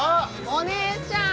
お姉ちゃん！